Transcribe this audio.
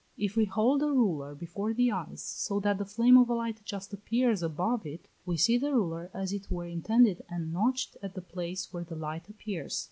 If we hold a ruler before the eyes so that the flame of a light just appears above it, we see the ruler as it were indented and notched at the place where the light appears.